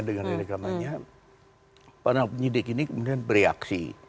dengan hanya para penyidik ini kemudian bereaksi